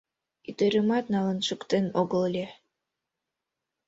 Ӱдырымат налын шуктен огыл ыле.